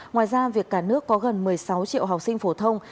ngoài ra việc cả nước có gần một mươi sáu triệu học sinh phổ thông